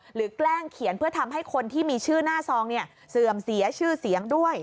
แกล้งเขียนเพื่อทำให้คนที่มีชื่อหน้าซองเนี่ยเสื่อมเสียชื่อเสียงด้วย